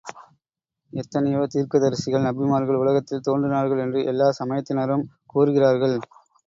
எத்தனையோ தீர்க்கதரிசிகள், நபிமார்கள் உலகத்தில் தோன்றினார்கள் என்று எல்லாச் சமயத்தினரும் கூறுகிறார்கள்.